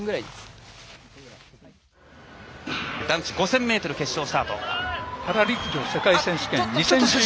男子５０００ｍ決勝スタート。